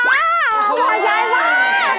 ก่อนใยว่า